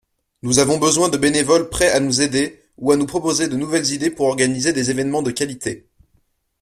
Nous avons besoin de bénévoles prêts à nous aider ou à nous proposer de nouvelles idées pour organiser des évènements de qualité.